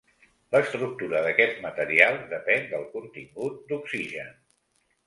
L'estructura d'aquests materials depèn del contingut d'oxigen.